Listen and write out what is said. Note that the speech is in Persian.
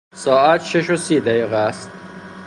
ساعت شش و سی دقیقه است.